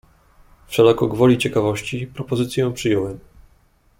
"Wszelako gwoli ciekawości, propozycję przyjąłem."